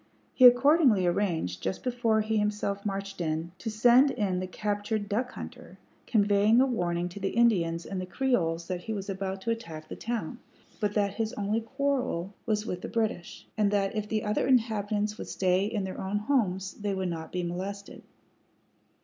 He accordingly arranged, just before he himself marched in, to send in the captured duck hunter, conveying a warning to the Indians and the Creoles that he was about to attack the town, but that his only quarrel was with the British, and that if the other inhabitants would stay in their own homes they would not be molested.